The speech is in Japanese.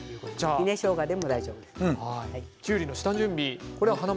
ひねしょうがでも大丈夫です。